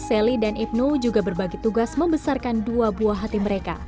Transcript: sally dan ibnu juga berbagi tugas membesarkan dua buah hati mereka